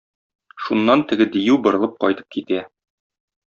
Шуннан теге дию борылып кайтып китә.